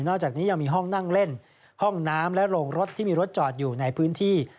อกจากนี้ยังมีห้องนั่งเล่นห้องน้ำและโรงรถที่มีรถจอดอยู่ในพื้นที่